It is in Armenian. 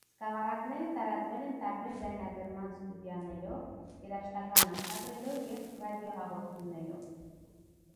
Սկավառակները տարածվել են տարբեր ձայնագրման ստուդիաներով, երաժշտական ամսագրերով և ռադիոհաղորդումներով։